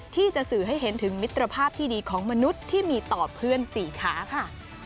ที่จะสื่อให้เห็นถึงมิตรภาพที่ดีของมนุษย์ที่มีต่อเพื่อนสี่ขาค่ะ